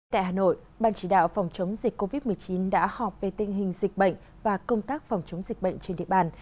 tại hà nội ban chỉ đạo phòng chống dịch covid một mươi chín đã họp về tình hình dịch bệnh và công tác phòng chống dịch bệnh trên địa bàn